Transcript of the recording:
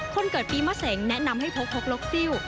คนเกิดปีมะเสงแนะนำให้พกพกลกซิล